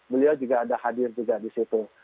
beliau juga ada hadir juga di situ